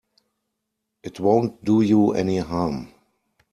It won't do you any harm.